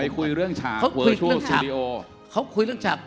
เขาคุยเรื่องฉากเขาคุยเรื่องฉากเขาคุยเรื่องฉาก